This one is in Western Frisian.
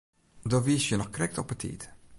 Do wiest hjir noch krekt op 'e tiid.